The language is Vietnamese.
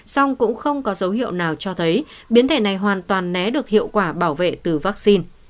song cũng không có dấu hiệu nào cho thấy biến thể này hoàn toàn né được hiệu quả bảo vệ từ vaccine